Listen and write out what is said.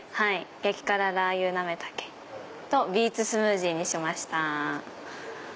激辛ラー油なめ茸とビーツスムージーにしました。